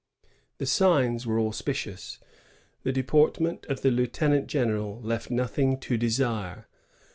The signs were auspi cious. The deportment of the lieutenant general left nothing to desire.